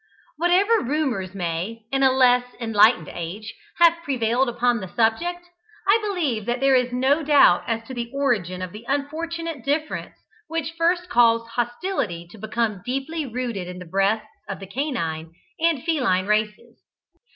Whatever rumours may, in a less enlightened age, have prevailed upon the subject, I believe that there is no doubt as to the origin of the unfortunate difference which first caused hostility to become deeply rooted in the breasts of the canine and feline races.